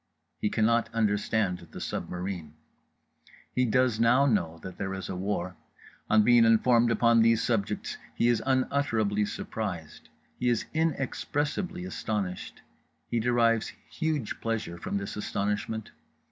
He cannot understand the submarine. He does now know that there is a war. On being informed upon these subjects he is unutterably surprised, he is inexpressibly astonished. He derives huge pleasure from this astonishment.